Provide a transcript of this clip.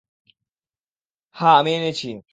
হা, আমি এনেছি।